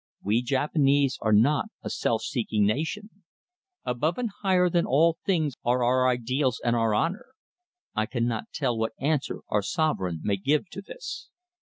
We Japanese are not a self seeking nation. Above and higher than all things are our ideals and our honour. I cannot tell what answer our Sovereign may give to this."